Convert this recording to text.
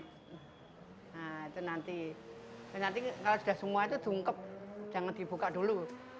nah itu nanti kalau sudah semua itu jungkep jangan dibuka dulu